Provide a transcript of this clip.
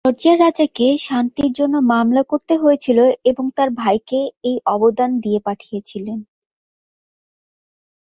জর্জিয়ার রাজাকে শান্তির জন্য মামলা করতে হয়েছিল, এবং তার ভাইকে এই অবদান দিয়ে পাঠিয়েছিলেন।